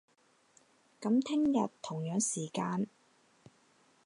噉聽日，同樣時間